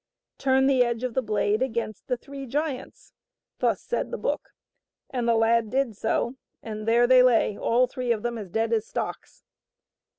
" Turn the edge of the blade against the three giants^ Thus said the book, and the lad did so, and there they lay all three of them as dead as stocks.